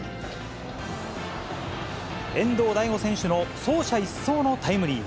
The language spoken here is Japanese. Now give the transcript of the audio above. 遠藤太胡選手の走者一掃のタイムリー。